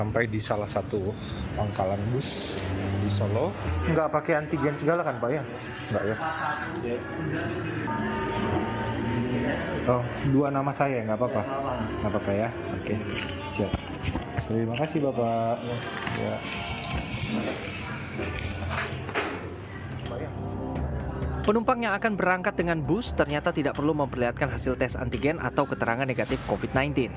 penumpang yang akan berangkat dengan bus ternyata tidak perlu memperlihatkan hasil tes antigen atau keterangan negatif covid sembilan belas